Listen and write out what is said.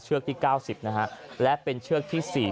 ที่๙๐นะฮะและเป็นเชือกที่๔